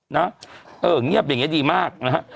นะเออเงียบอย่างนี้ดีมากนะฮะ